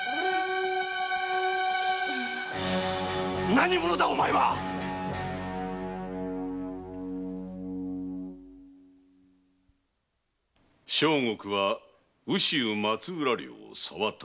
何者だお前は⁉生国は羽州松浦領沢谷。